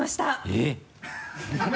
えっ！？